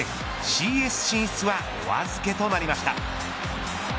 ＣＳ進出はお預けとなりました。